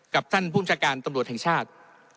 กับท่านผู้จัดการตำรวจแห่งชาติ